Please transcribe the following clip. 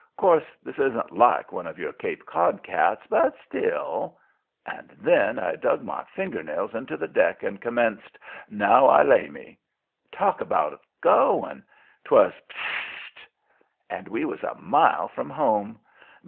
'Course this isn't like one of your Cape Cod cats, but still " And then I dug my finger nails into the deck and commenced: "Now I lay me." Talk about going! 'Twas "F s s s t!" and we was a mile from home.